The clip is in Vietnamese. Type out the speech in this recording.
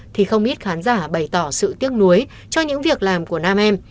thì không ít khán giả bày tỏ sự tiếc nuối cho những việc làm của nam em